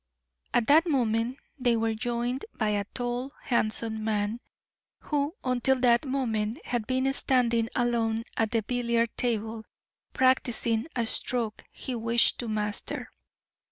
At that moment they were joined by a tall, handsome man, who, until that moment, had been standing alone at the billiard table, practicing a stroke he wished to master.